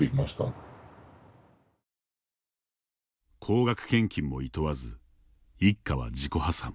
高額献金もいとわず一家は自己破産。